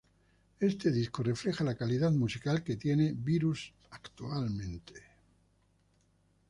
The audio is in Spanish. Este disco refleja la calidad musical que tiene Virus actualmente.